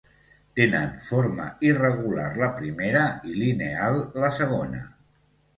Tenen forma irregular la primera i lineal la segona.